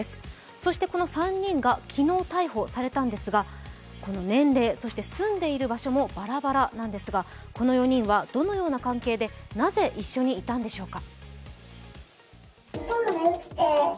そしてこの３人が昨日、逮捕されたのですが、年齢、住んでいる場所もばらばらなんですがこの４人はどのような関係で、なぜ一緒にいたのでしょうか？